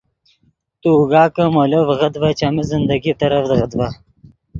تو اوگا کہ مولو ڤیغت ڤے چیمی زندگی ترڤدیغت ڤے